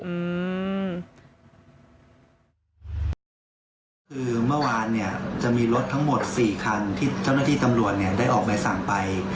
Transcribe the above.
คือเมื่อวานจะมีรถทั้งหมด๔คันที่เจ้าหน้าที่ตำรวจได้ออกไปสั่งไป